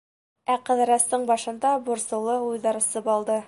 Ә Ҡыҙырастың башында борсоулы уйҙар сыбалды.